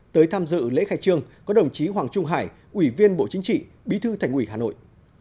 tới tham dự lễ khai trương có đồng chí hoàng trung hải ủy viên bộ chính trị bí thư thành ủy hà nội